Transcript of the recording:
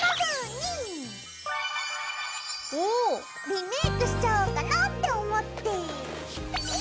リメイクしちゃおうかなって思って！